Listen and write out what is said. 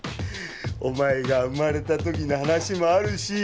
お前が生まれた時の話もあるし。